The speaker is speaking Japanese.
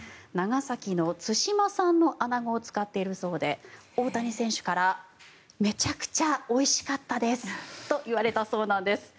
長崎の対馬産のアナゴを使っているそうで大谷選手からめちゃくちゃおいしかったですと言われたそうなんです。